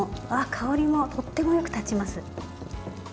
香りもとってもよく立ちます。